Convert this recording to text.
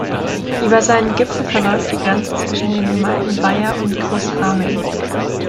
Über seinen Gipfel verläuft die Grenze zwischen den Gemeinden Weyer und Großraming.